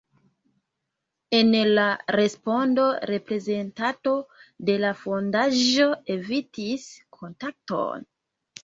En la respondo reprezentanto de la fondaĵo evitis kontakton.